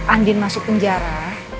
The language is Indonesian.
andin masuk penjara